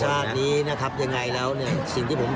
หยดที่กระบุ้งนี่เลยที่ศีรษะ